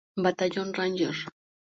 Batallón Ranger.